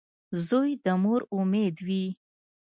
• زوی د مور امید وي.